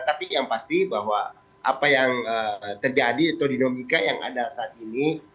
tapi yang pasti bahwa apa yang terjadi atau dinamika yang ada saat ini